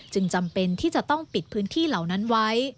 จำเป็นที่จะต้องปิดพื้นที่เหล่านั้นไว้